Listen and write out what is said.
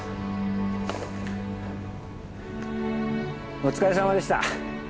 お疲れさまでした。